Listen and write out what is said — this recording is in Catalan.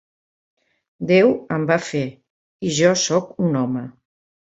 Déu em va fer, i jo sóc un home.